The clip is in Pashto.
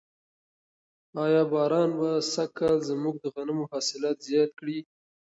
آیا باران به سږکال زموږ د غنمو حاصلات زیات کړي؟